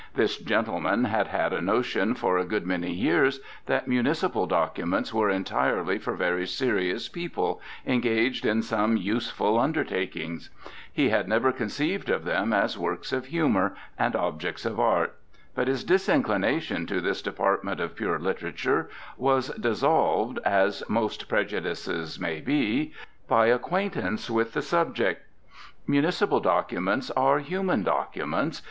This gentleman had had a notion for a good many years that municipal documents were entirely for very serious people engaged in some useful undertakings. He had never conceived of them as works of humour and objects of art. But his disinclination to this department of pure literature was dissolved, as most prejudices may be, by acquaintance with the subject. Municipal documents are human documents.